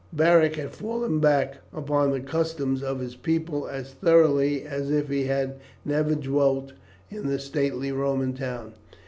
Beric had fallen back upon the customs of his people as thoroughly as if he had never dwelt in the stately Roman town.